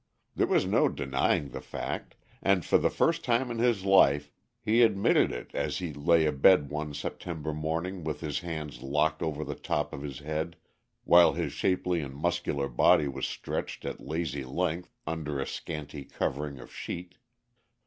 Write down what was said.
There was no denying the fact, and for the first time in his life he admitted it as he lay abed one September morning with his hands locked over the top of his head, while his shapely and muscular body was stretched at lazy length under a scanty covering of sheet.